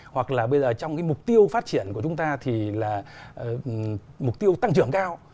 hoặc là bây giờ trong cái mục tiêu phát triển của chúng ta thì là mục tiêu tăng trưởng cao